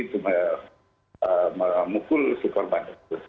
untuk memukul si korban